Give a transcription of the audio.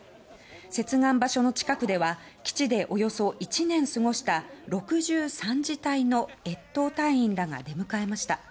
接岸場所の近くでは基地でおよそ１年過ごした６３次隊の越冬隊員らが出迎えました。